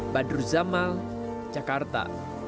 badru zamal jakarta